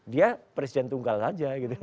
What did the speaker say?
dia presiden tunggal saja gitu